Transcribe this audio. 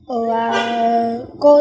ở cô thì